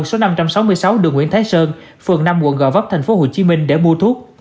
số năm trăm sáu mươi sáu đường nguyễn thái sơn phường năm quận gò vấp tp hcm để mua thuốc